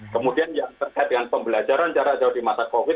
kemudian yang terkait dengan pembelajaran jarak jauh di masa covid